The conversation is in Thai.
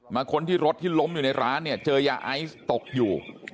ค้นที่รถที่ล้มอยู่ในร้านเนี่ยเจอยาไอซ์ตกอยู่